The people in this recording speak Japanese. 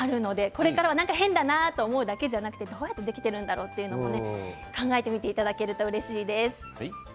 これからは何か変だなと思うだけでなくてどうやってできているのかなと考えていただけるとうれしいです。